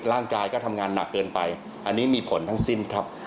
ร่างกายก็ทำงานหนักเกินไปอันนี้มีผลทั้งสิ้นครับ